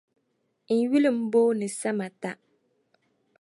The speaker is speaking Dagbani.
N yuli m-booni Samata.